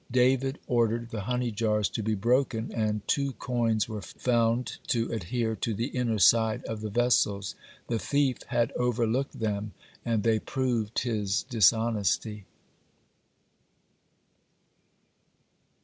David ordered the honey jars to be broken, and two coins were found to adhere to the inner side of the vessels. The thief had overlooked them, and they proved his dishonesty.